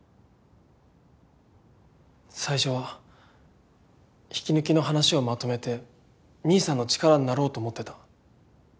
最初は引き抜きの話をまとめて兄さんの力になろうと思ってた。